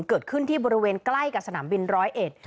เกิดขึ้นที่บริเวณใกล้กับสนามบินร้อยเอ็ด